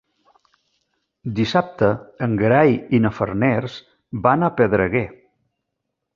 Dissabte en Gerai i na Farners van a Pedreguer.